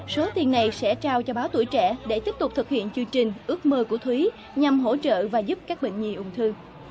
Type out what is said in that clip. số tiền này sẽ trao cho báo tuổi trẻ để tiếp tục thực hiện chương trình ước mơ của thúy nhằm hỗ trợ và giúp các bệnh nhi ung thư